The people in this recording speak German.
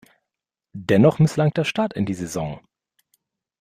Dennoch misslang der Start in die Saison.